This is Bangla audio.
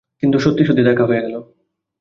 কিন্তু সত্যি-সত্যি দেখা হয়ে গেল।